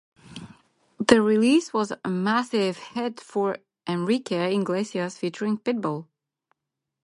The release was a massive hit for Enrique Iglesias featuring Pitbull.